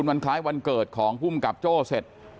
วันคล้ายวันเกิดของภูมิกับโจ้เสร็จ